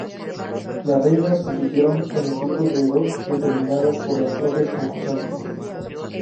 La reinas compitieron en equipos de dos, determinadas por las propias concursantes.